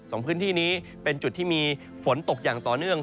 สองพื้นที่นี้เป็นจุดที่มีฝนตกอย่างต่อเนื่อง